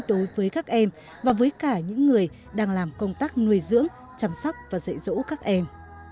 đối với các em và với cả những người đang làm công tác nuôi dưỡng chăm sóc và dạy dỗ các em